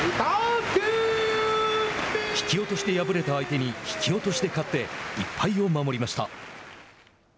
引き落としで敗れた相手に引き落としで勝って１敗を守りました。